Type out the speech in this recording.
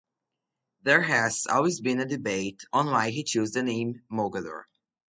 There has always been a debate on why he chose the name Mogadore.